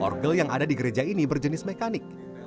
orgel yang ada di gereja ini berjenis mekanik